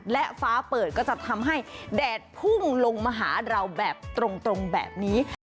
และฟ้าเปิดก็จะทำให้แดดพุ่งลงมาหาเราแบบตรงแบบนี้